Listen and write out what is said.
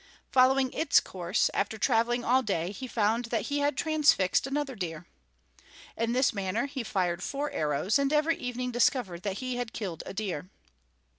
Following its course, after traveling all day he found that he had transfixed another deer. In this manner he fired four arrows, and every evening discovered that he had killed a deer.